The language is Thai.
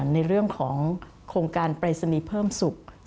ในเรื่องของโครงการปรายศนีย์เพิ่มสุข